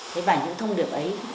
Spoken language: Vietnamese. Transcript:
thấy bài những thông điệp ấy